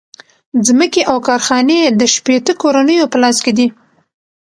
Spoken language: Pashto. ځمکې او کارخانې د شپیته کورنیو په لاس کې دي